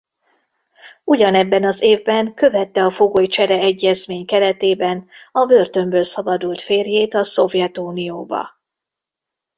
Ugyanebben az évben követte a fogolycsere-egyezmény keretében a börtönből szabadult férjét a Szovjetunióba.